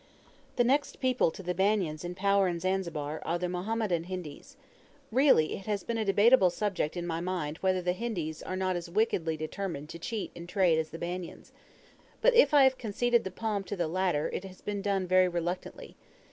The next people to the Banyans in power in Zanzibar are the Mohammedan Hindis. Really it has been a debateable subject in my mind whether the Hindis are not as wickedly determined to cheat in trade as the Banyans. But, if I have conceded the palm to the latter, it has been done very reluctantly.